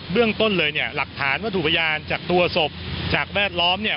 เรื่องต้นเลยเนี่ยหลักฐานวัตถุพยานจากตัวศพจากแวดล้อมเนี่ย